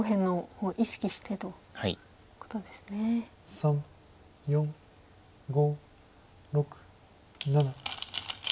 ３４５６７８。